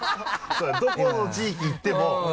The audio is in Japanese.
そうだねどこの地域行っても。